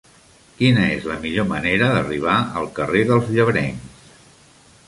Quina és la millor manera d'arribar al carrer dels Llebrencs?